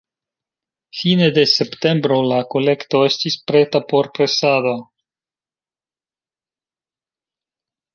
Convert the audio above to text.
Fine de septembro la kolekto estis preta por presado.